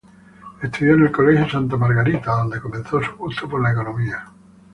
Estudio en el Colegio Santa Margarita, donde comenzó su gusto por la economía.